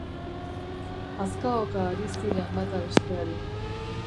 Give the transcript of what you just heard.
Hazkaoka ari ziren bata besteari.